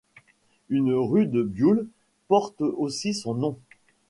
Une rue de Bioul porte aussi son nom.